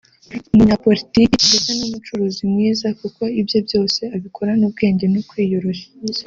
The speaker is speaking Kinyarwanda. umunyapolitiki ndetse n’umucuruzi mwiza kuko ibye byose abikorana ubwenge no kwiyoroshya